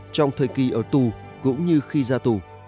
trong thời kỳ ở tù cũng như khi ra tù